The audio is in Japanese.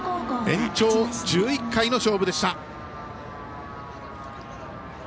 延長１１回の勝負でした。